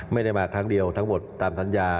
ไม่ได้มาครั้งเดียวตามสัญญา